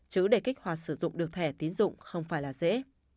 chứ để kích hoạt sử dụng được thẻ tiến dụng không phải là dễ